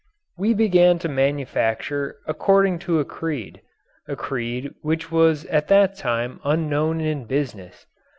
We began to manufacture according to a creed a creed which was at that time unknown in business.